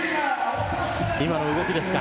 今の動きですか。